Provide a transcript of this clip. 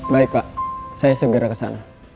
baik pak saya segera ke sana